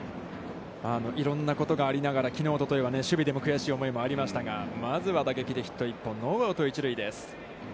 いろんなことがありながら、きのう、おとといは守備でも悔しい思いがありましたが、まずは打撃でヒット１本、ノーアウト、一塁です。